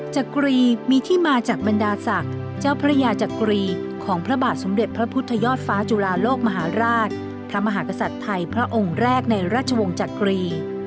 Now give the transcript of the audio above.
จักรีมีที่มาจากบรรดาศักดิ์เจ้าพระยาจักรีของพระบาทสมเด็จพระพุทธยอดฟ้าจุฬาโลกมหาราชพระมหากษัตริย์ไทยพระองค์แรกในราชวงศ์จักรี